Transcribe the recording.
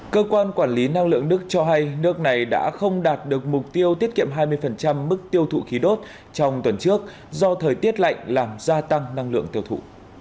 cơ quan quản lý năng lượng đức cho hay nước này đã không đạt được mục tiêu tiết kiệm hai mươi mức tiêu thụ khí đốt trong tuần trước do thời tiết lạnh làm gia tăng năng lượng tiêu thụ